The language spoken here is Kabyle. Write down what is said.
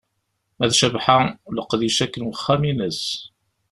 Ma d Cabḥa, leqdic akk n uxxam ines.